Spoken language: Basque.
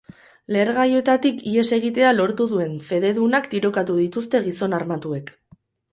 Lehergailuetatik ihes egitea lortu duten fededunak tirokatu dituzte gizon armatuek.